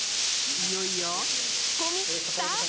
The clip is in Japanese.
いよいよ仕込みスタート！